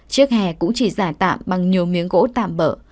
chiếc hè cũng chỉ giả tạm bằng nhiều miếng gỗ tạm bỡ